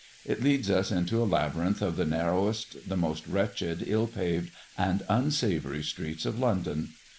It leads us into a labyrinth of the narrowest, the most wretched, ill paved, and unsavoury streets of London.